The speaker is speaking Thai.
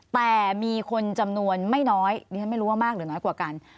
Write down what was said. แต่มีคนจำนวนไม่น้อยดิฉันไม่รู้ว่ามากหรือน้อยกว่ากัน